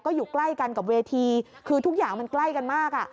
อยู่ใกล้กันกับเวทีคือทุกอย่างมันใกล้กันมากอ่ะ